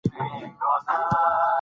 سياستوال بېلابېلې بڼې لري.